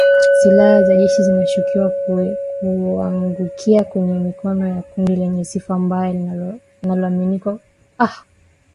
Silaha za jeshi zinashukiwa kuangukia kwenye mikono ya kundi lenye sifa mbaya linalolaumiwa kwa mauaji ya kikabila katika jimbo la kaskazini mashariki la Ituri